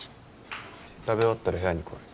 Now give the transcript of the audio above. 食べ終わったら部屋に来い。